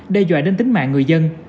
đe dọa đến tính mạng người dân